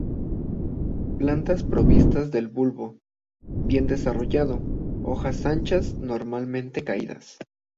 Plantas provistas de bulbo bien desarrollado, hojas anchas, normalmente caídas.